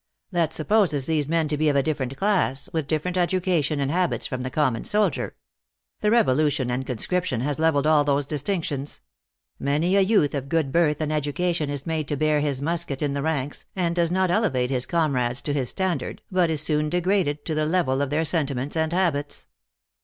" That supposes these men to be of a different class, with different education and habits from the common soldier. The revolution and conscription has leveled all those distinctions. Many a youth of good birth and education is made to bear his musket in the ranks, and does not elevate his comrades to his standard, but is soon degraded to the level of their sentiments and habits.